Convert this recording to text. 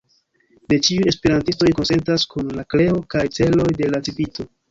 Ne ĉiuj esperantistoj konsentas kun la kreo kaj celoj de la Civito.